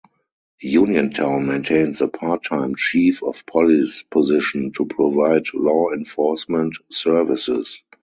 Uniontown maintains a Part-Time Chief of Police position to provide law enforcement services.